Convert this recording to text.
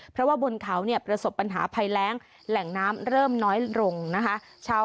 เพราะว่าบนเขาเนี่ยประสบปัญหาภัยแรงแหล่งน้ำเริ่มน้อยลงนะคะ